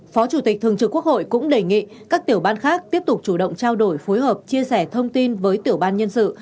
phó chủ tịch thường trực quốc hội cũng đề nghị các tiểu ban khác tiếp tục chủ động trao đổi phối hợp chia sẻ thông tin với tiểu ban nhân sự